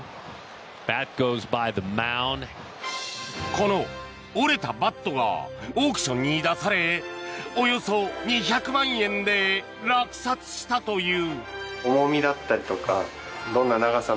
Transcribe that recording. この折れたバットがオークションに出されおよそ２００万円で落札したという。